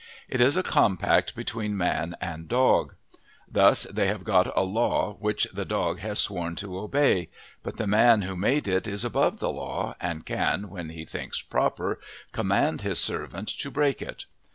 It is a compact between man and dog. Thus, they have got a law which the dog has sworn to obey; but the man who made it is above the law and can when he thinks proper command his servant to break it.